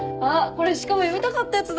これしかも読みたかったやつだ。